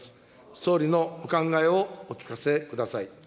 総理のお考えをお聞かせください。